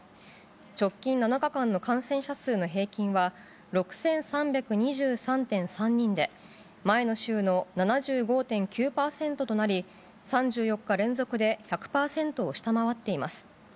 直近７日間の感染者数の平均は、６３２３．３人で、前の週の７５．９％となり、３４日連続で１００％を下回っています。